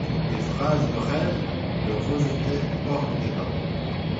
Des phrases brèves le rejetaient hors du débat.